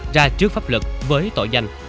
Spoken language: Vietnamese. ra trước pháp luật với tội danh